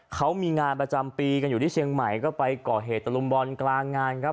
เขามีงานประจำปีกันอยู่ที่เชียงใหม่ก็ไปก่อเหตุตะลุมบอลกลางงานครับ